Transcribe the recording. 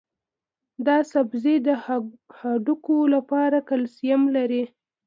دا سبزی د هډوکو لپاره کلسیم لري.